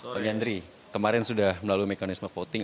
bang yandri kemarin sudah melalui mekanisme voting